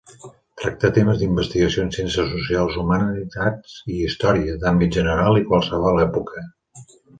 Tracta temes d'investigació en ciències socials, humanitats i història, d'àmbit general i qualsevol època.